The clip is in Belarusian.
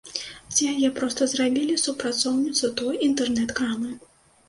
З яе проста зрабілі супрацоўніцу той інтэрнэт-крамы.